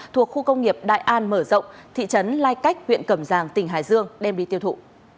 thuộc khu công nghiệp đại an mở rộng thị trấn lai cách huyện cẩm giang tỉnh hải dương đem đi tiêu thụ